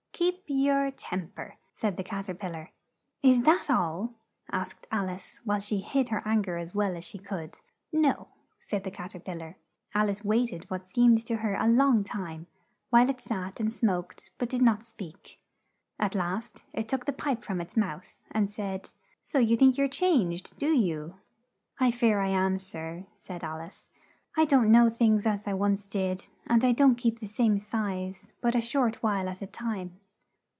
"Keep your tem per," said the Cat er pil lar. "Is that all?" asked Al ice, while she hid her an ger as well as she could. "No," said the Cat er pil lar. Al ice wait ed what seemed to her a long time, while it sat and smoked but did not speak. At last, it took the pipe from its mouth, and said, "So you think you're changed, do you?" "I fear I am, sir," said Al ice, "I don't know things as I once did and I don't keep the same size, but a short while at a time."